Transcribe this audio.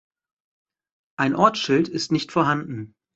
Ein Ortsschild ist nicht vorhanden.